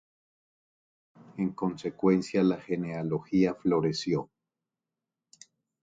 En consecuencia, la genealogía floreció.